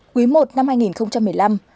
quý i năm hai nghìn một mươi năm